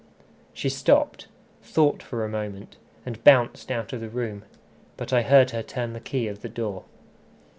She stopped, thought for a moment, and bounced out of the room. But I heard her turn the key of the door.